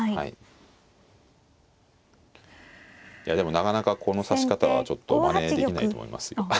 いやでもなかなかこの指し方はちょっとまねできないと思いますよ。